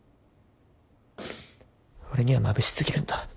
俺にはまぶしすぎるんだ。